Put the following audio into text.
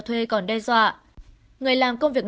thuê còn đe dọa người làm công việc